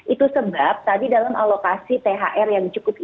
itu sebab tadi dalam alokasi thr yang cukup tinggi